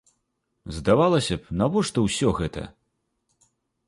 Здавалася б, навошта ўсё гэта?